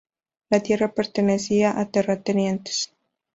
La tierra pertenecía a terratenientes.